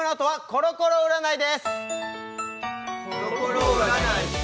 コロコロ占い？